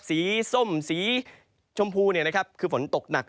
ส้มสีชมพูคือฝนตกหนัก